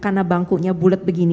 karena bangkunya bulat begini